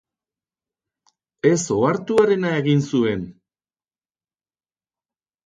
Ez ohartuarena egin zuen.